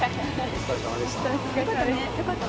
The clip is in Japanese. お疲れさまでした。